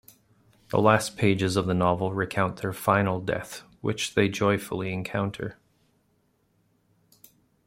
The last pages of the novel recount their final "death," which they joyfully encounter.